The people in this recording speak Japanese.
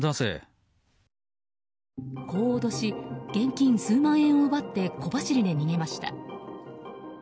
こう脅し、現金数万円を奪って小走りで逃げました。